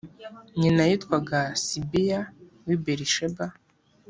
nyina yitwaga sibiya w’i berisheba